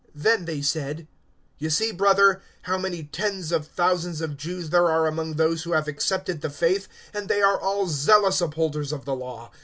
Then they said, "You see, brother, how many tens of thousands of Jews there are among those who have accepted the faith, and they are all zealous upholders of the Law.